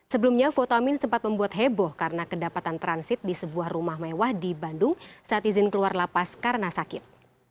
sebelumnya votamin sempat membuat heboh karena kedapatan transit di sebuah rumah mewah di bandung saat izin keluar lapas karena sakit